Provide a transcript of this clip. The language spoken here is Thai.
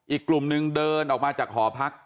อีกกลุ่มนึงเดินออกมาจากหอพัก